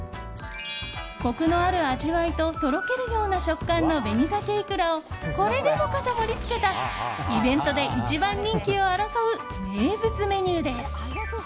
コクのある味わいととろけるような食感の紅鮭いくらをこれでもかと盛り付けたイベントで一番人気を争う名物メニューです。